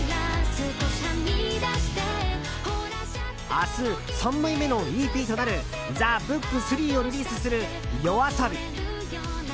明日、３枚目のＥＰとなる「ＴＨＥＢＯＯＫ３」をリリースするＹＯＡＳＯＢＩ。